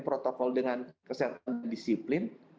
protokol dengan kesehatan disiplin